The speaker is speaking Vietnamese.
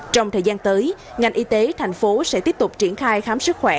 trong thời gian tới ngành y tế thành phố sẽ tiếp tục triển khai khám sức khỏe